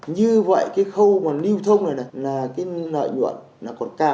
như vậy cái khâu mà lưu thông này này là cái nợ nhuận nó còn cao